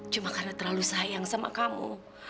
cuma karena terlalu sayang sama kamu